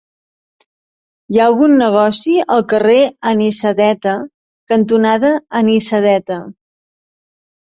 Hi ha algun negoci al carrer Anisadeta cantonada Anisadeta?